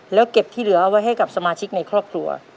แล้วเก็บที่เหลือเอาไว้ให้กับสมาชิกในครอบครัว